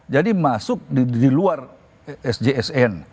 jadi masuk di luar sjsn